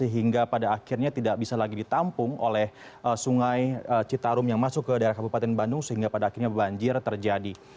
hingga pada akhirnya tidak bisa lagi ditampung oleh sungai citarum yang masuk ke daerah kabupaten bandung sehingga pada akhirnya banjir terjadi